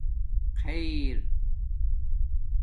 خِیر